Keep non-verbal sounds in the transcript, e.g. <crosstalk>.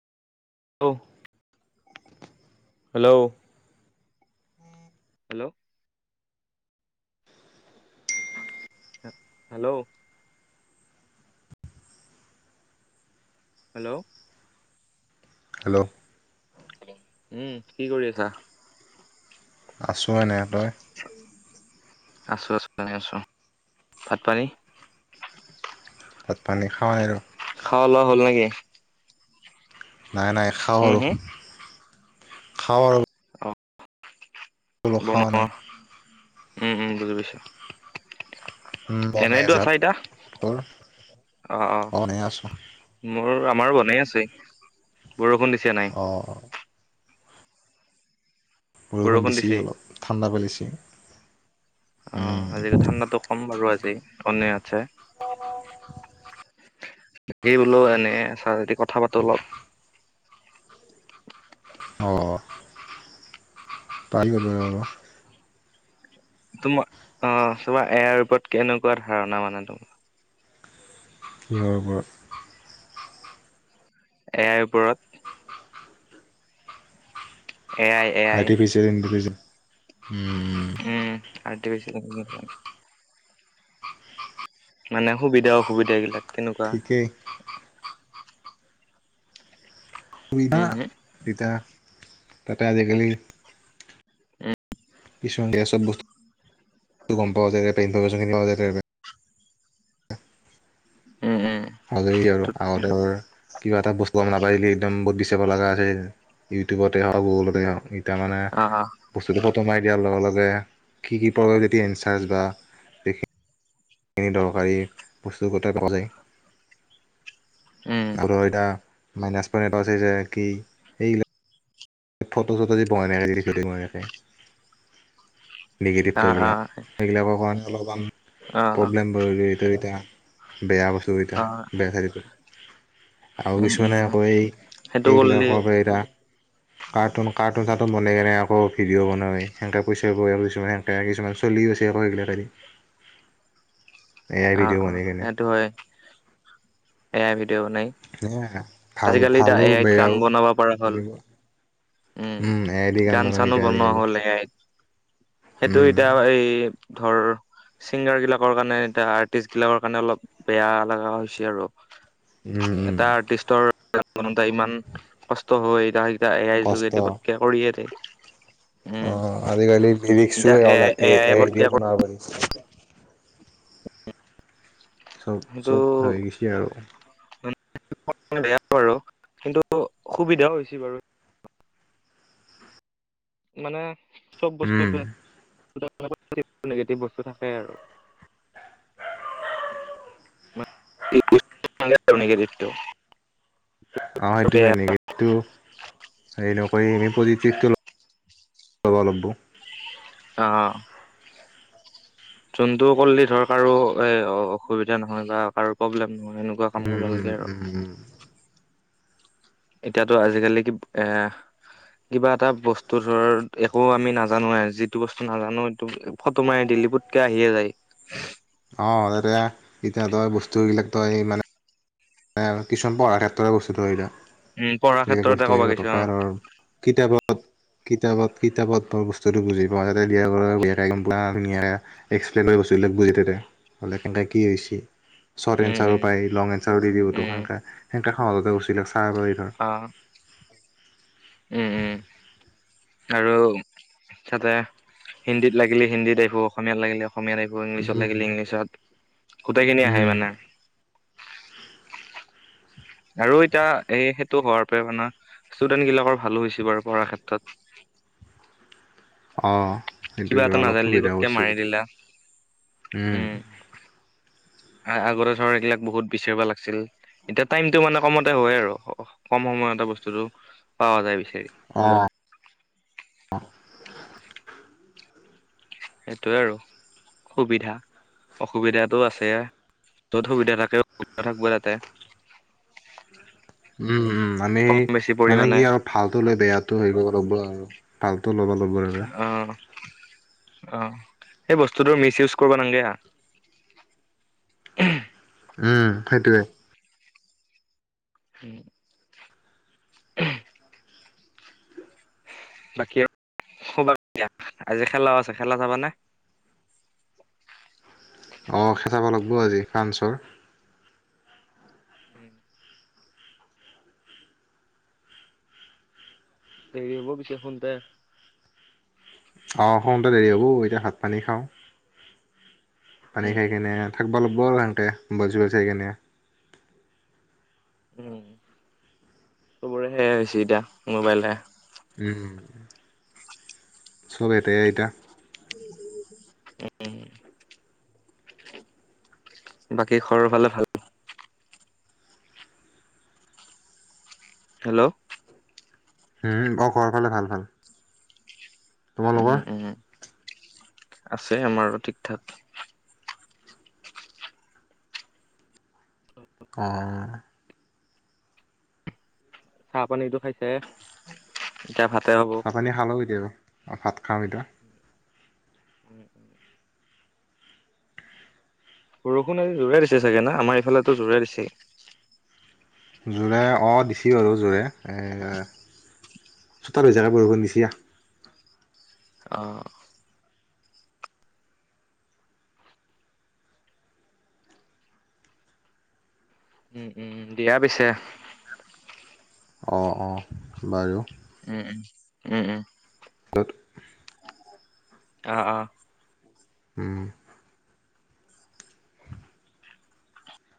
Hello? Hello? Hello? Hello? Hello. উম কি কৰি আছা। আছোঁ এনেই তই। আছোঁ, আছোঁ <unintelligible> আছোঁ ভাত পানী? তাত পানী খাওঁ আৰু। খাৱা লোৱা হ'ল নেকি। নাই, নাই খাওঁ উম আৰু হুম খাওঁ আৰু। অ বোলো খাৱা বনোৱা নাই উম, উম বুজি পাইছোঁ। উম, বনাই এনেইতো আছে আছা ভাত এতিয়া তোৰ অ, অ। এনে আছোঁ মোৰ আমাৰো বনাই আছে বৰষুণ দিছে ন অ। বৰষুণ দিছে অলপ ঠাণ্ডা ফেলেচি। অ আজি ঠাণ্ডাতো কম বাৰু আজি অইন দিনাতচে। তাকে বোলো এনে আছা যদি কথা পাতো অলপ। অ। <unintelligible> তোমাৰ অ তোমাৰ এয়াৰ ওপৰত কেনেকুৱা ধাৰণা মানে তোম <unintelligible> এ আই ওপৰত। A I. A I artificial intelligence um um. Um artificial intelligence. মানে সুবিধা অসুবিধা এইবিলাক কেনেকুৱা। ঠিকেই সুবিধা উম হম এতিয়া তাতে আজিকালি। <unintelligible> উম উম। ভালেই আৰু, আৰু ধৰ। কিবা এটা বস্তু নাপাৰিলে একদম বহুত বিচাৰিব লগা আছে ইউটিউবতে হওক গুগলতে হওক। তেতিয়া মানে অ অ বস্তুটো ফটো মাৰি দিয়াৰ লগে লগে কি কি <unintelligible> এনচাৰ্জ বা। এনেই দৰকাৰী বস্তু গোটেই পোৱা যায় উম আৰু এটা। মাইনাছ পইণ্ট এটা আছে যে কি। এইবিলাক ফটো চটো যে বনাই। <unintelligible> অ নেগেটিভটো অ এইবিলাক এইবিলাক একন। অলপমান অ প্ৰব্লেম ব এই এতিয়া বেয়া বস্তু এতিয়া অ বেয়া থাকে। আৰু উম কিছুমানে উম আকৌ সেইটো কৰিলে সেই-সেইবিলাকৰ পৰা এতিয়া। কাৰ্টুন, কাৰ্টুন, টাৰ্টুন বনে কেনে আকৌ ভিডিঅ' বনাই সেংকে পইচা পায় কিছুমানে সেংকে কিছুমান। <unintelligible> চলি আছে আকৌ ইগলাকেদী। <unintelligible> অ, ভিডিঅ' অ বনাই কেনে সেইটো হয় এ আই ভিডিঅ বনাই। ভাল আজিকালি এতিয়া ভালো এ আইত গান বেয়াও বনাব পৰা হ'ল। এনেকুৱা উম এ আই দি গান বনাব চানো এতিয়া বনোৱা আজিকালি হ'ল এ আইত। সেইটো উম এতিয়া এই ধৰ ছিংগাৰ বিলাকৰ কাৰণে। এটা আৰ্টিষ্ট বিলাকৰ কাৰণে অলপ বেয়া লগা হৈছে আৰু উম উম এটা আৰ্টিষ্টৰ। <unintelligible> ইমান কষ্ট হৈ এতিয়া, এতিয়া এ আইৰ কষ্ট যোগেদি পতকে কৰিয়ে দিয়ে। উম অ আজিকালি লিৰিক্সো এতিয়া এ আই ওলাই এ এই আই পতকে দি বনাব পাৰি। চব, সেইটো চব হৈ গৈছে আৰু। <unintelligible> বেয়া বাৰু কিন্তু সুবিধাও হৈছে বাৰু। মানে চব বস্তু <unintelligible> নেগেটিভ বস্তু থাকে আৰু। <unintelligible> অ সেইটোয়ে বেয়া এনে হেৰি নকৰি আমি পজিটিভটো ল'ব লাগবো অ যোনতটো কৰিলে ধৰ কাৰো এ অসুবিধা নহয় বা কাৰো প্ৰব্লেম নহয়নেকা কাম কৰিব লাগে আৰু উম এতিয়াতো আজিকালি কি এ কিবা এটা বস্তু ধৰ একো আমি নাজানো আৰু যিটো বস্তু নাজানো এইটো ফটো মাৰি দিলিব ক আহিয়ে যায় অ এতিয়া তই বস্তু বিলাক তই মানে কিছুমান পঢ়াৰ ক্ষেত্ৰতে বস্তুটো হয় এতিয়া উম পঢ়াৰ এইবিলাক ক্ষেত্ৰতে বস্তু ক'ব আহিব গেছো অ' তপায়ৰ কিতাপত কিতাপত কিতাপত বৰ বস্তুটো বুজি পাওঁ যাতে বিয়া কৰাব বেয়াকে গম পা ধুনীয়াকৈ এক্সপ্লেইন কৰিব গৈচিলো বুজিবা তেতিয়া ব'লে কেনেকৈ কি হৈ হৈছে চৰ্ট উম এনঞ্চাৰো উম পায় লং এঞ্চাৰো দি দিবোতো উম সেনকা সেনকে সহজতে গুচছিলিলে চাৰ ব ধৰ অ' উম উম আৰু তাতে হিন্দীত লাগিলে হিন্দীত আহিব অসমীয়াত লাগিলে অসমীয়াত আহিব আকৌ উম ইংলিছত লাগিলে ইংলিছত গোটেইখিনি আহে উম মানে আৰু এতিয়া এই সেইটো হোৱাৰ পৰা মানে ষ্টুডেন্ট বিলাকৰ ভালো হৈছে বাৰু পঢ়াৰ ক্ষেত্ৰত অ এইটো কিবা এটা অলপ নাজানিলি সুবিধা পতকে মাৰি দিলা উম আগতে ধৰ এইবিলাক বহুত বিচাৰবা লাগিছিল এতিয়া টাইমতটো মানে কমতে হয় আৰু কম সময়তে বস্তুতটো পাৱা যায় বিচাৰি অ সেইটোৱে আৰু সুবিধা অসুবিধাটো আছে যত সুবিধা থাকেবিধা থাকিব তাতে উম উম আমি কম বেছি মানে পৰিমাণে কি আৰু ভালটো লৈ বেয়াাতটো হৈ গ ল'ব আৰু তালটো ল'ব ল'ব অ অ সেই বস্তুটোৰ মিচ ইউজ কৰিব নাগে উম সেইটোৱে কি বাকী খুবা দিয়া আজি খেলাও আছে খেলা চাবাানে অঁ খেচাব লাগিব আজি কাঞ্চৰ উম দেৰি ব বিষুদে অ দেৰি হ'ব এতিয়া ভাত পানী খাওঁ পানী উম, খাই উম, কেনে থাকিবা লাগব আৰু সহতে চোবল চাই কেনে উম সবৰে সেয় হৈছে এতিয়া মোবাইল উম চব এটাইে এতিয়া উম বাকী ঘৰৰ ফালে ভাল হেল্ল' উম অ খৰৰ ফালে ভাল ভাল উম তোমালোকৰ উম আছে আমাৰ ঠিক ঠাক অ চাহ পানীতো খাইছে এতিয়া ভাতে হ'ব চাত পানী খালো এতিয়া ভাত খাাম এতিয়া উ উম উম বৰষুণ আজি জোৰে দিছে চাগো আমাৰ এইফালেতো জোৰেই দিছে জোৰে অঁ দিছ আৰু যোৰে চোতাল হৈ যায়গৈ বৰষুণ দিছা অ উম', উম' দিয়া পিছে। অহ', অহ' বাৰু। উম', উম'। উম', উম'। <unintelligible> অহ', অহ'। উম।